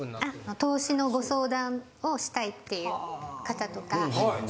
投資のご相談をしたいっていう方とか。